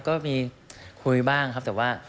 ก็มีคุยบ้างครับแต่ว่า